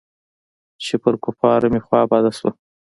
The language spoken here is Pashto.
چې پر کفارو مې خوا بده سوه.